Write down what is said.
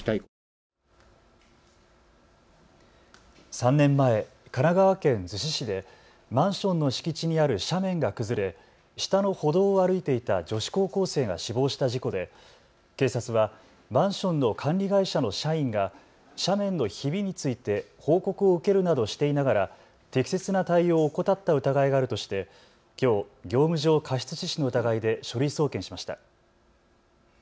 ３年前、神奈川県逗子市でマンションの敷地にある斜面が崩れ下の歩道を歩いていた女子高校生が死亡した事故で警察はマンションの管理会社の社員が斜面のひびについて報告を受けるなどしていながら適切な対応を怠った疑いがあるとして、きょう業務上過失致死の疑いで書類送検しました。